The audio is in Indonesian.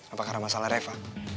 apa karena masalah reva